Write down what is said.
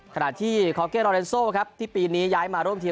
ขณะที่คอเก้รอเรนโซครับที่ปีนี้ย้ายมาร่วมทีม